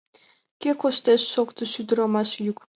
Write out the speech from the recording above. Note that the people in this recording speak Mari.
— Кӧ коштеш? — шоктыш ӱдырамаш йӱк.